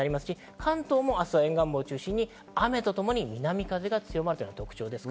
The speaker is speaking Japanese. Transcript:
関東も明日は沿岸部を中心に雨と共に南風が強まるのが特徴です。